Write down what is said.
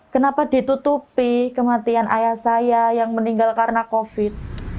kenapa ditutupi kematian ayah saya yang meninggal karena covid